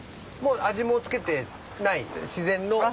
味も付けてない自然の。